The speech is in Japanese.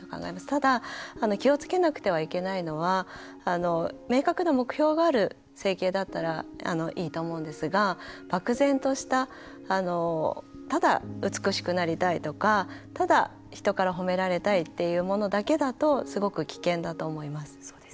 ただ気をつけなくてはいけないのは明確な目標がある整形だったらいいと思うんですが漠然としたただ、美しくなりたいとかただ、人から褒められたいというものだけだとすごく危険だと思います。